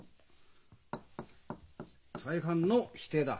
再犯の否定だ。